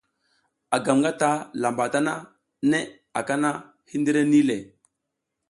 A gam ngataƞʼha lamba tana, neʼe aka na, hindire nih le.